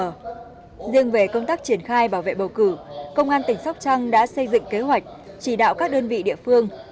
riêng về công tác triển khai bảo vệ bầu cử công an tỉnh sóc trăng đã xây dựng kế hoạch chỉ đạo các đơn vị địa phương